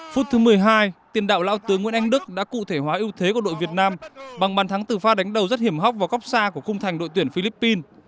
phút thứ một mươi hai tiền đạo lão tướng nguyễn anh đức đã cụ thể hóa ưu thế của đội việt nam bằng bàn thắng từ pha đánh đầu rất hiểm hóc vào góc xa của khung thành đội tuyển philippines